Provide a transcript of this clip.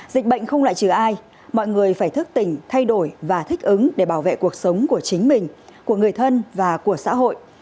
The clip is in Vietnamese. dịch bệnh không lại trừ ai mọi người phải thức tỉnh thay đổi và thích ứng để bảo vệ cuộc sống của chính mình của người thân và của xã hội